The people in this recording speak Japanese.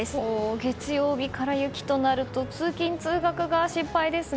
月曜日から雪となると通勤・通学が心配ですね。